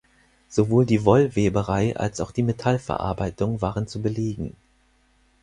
Sowohl die Wollweberei als auch die Metallverarbeitung waren zu belegen.